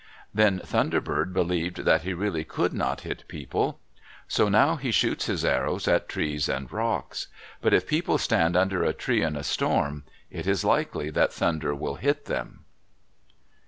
Then Thunder Bird believed that he really could not hit people, so now he shoots his arrows at trees and rocks. But if people stand under a tree in a storm, it is likely that Thunder will hit them.